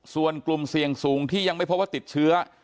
ส่วนกลุ่มเสี่ยงสูงที่ยังไม่พบว่าติดเชื้อ